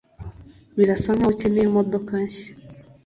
Birasa nkaho ukeneye imodoka nshya.